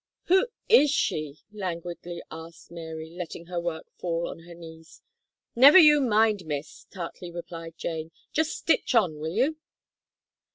"Who is she?" languidly asked Mary, letting her work fall on her knees. "Never you mind, Miss," tartly replied Jane. "Just stitch on, will you?"